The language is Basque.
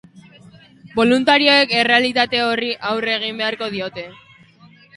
Boluntarioek errealitate horri aurre egin beharko diote.